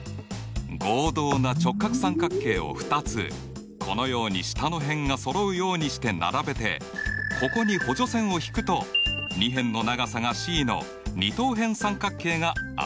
合同な直角三角形を２つこのように下の辺がそろうようにして並べてここに補助線を引くと２辺の長さがｃの二等辺三角形が現れるね。